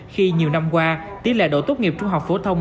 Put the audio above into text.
khi nhiều năm qua tỷ lệ độ tốt nghiệp trung học phổ thông